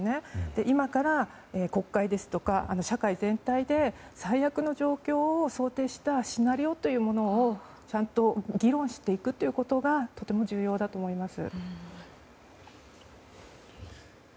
今から、国会ですとか社会全体で最悪の状況を想定したシナリオというものをちゃんと議論していくことがとても重要だと思います。